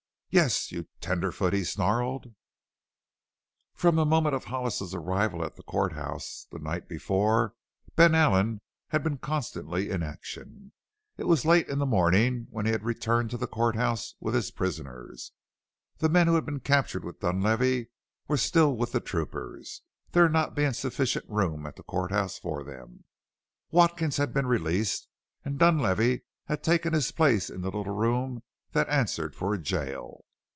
"Yes, you tenderfoot ." he snarled. From the moment of Hollis's arrival at the court house the night before Ben Allen had been constantly in action. It was late in the morning when he had returned to the court house with his prisoners. The men who had been captured with Dunlavey were still with the troopers, there not being sufficient room at the court house for them. Watkins had been released and Dunlavey had taken his place in the little room that answered for a jail.